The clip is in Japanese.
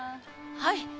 はい。